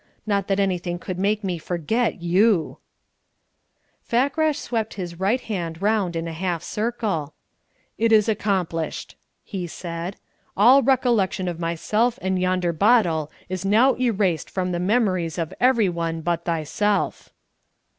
"Not that anything could make me forget you!" Fakrash swept his right hand round in a half circle. "It is accomplished," he said. "All recollection of myself and yonder bottle is now erased from the memories of every one but thyself."